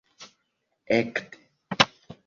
ekde